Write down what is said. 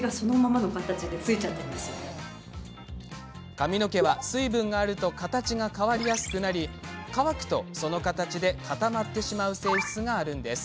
髪の毛は水分があると形が変わりやすくなり乾くとその形で固まってしまう性質があるんです。